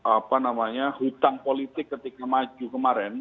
apa namanya hutang politik ketika maju kemarin